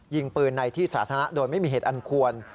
ยิงปืนในที่สาธารณะโดยไม่มีเหตุอันควร